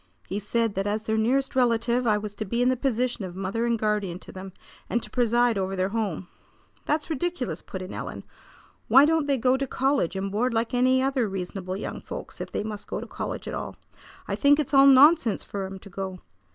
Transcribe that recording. He said that as their nearest relative I was to be in the position of mother and guardian to them, and to preside over their home." "That's ridiculous!" put in Ellen. "Why don't they go to college and board like any other reasonable young folks if they must go to college at all? I think it's all nonsense for 'em to go.